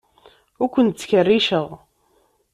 Ur ken-ttkerriceɣ.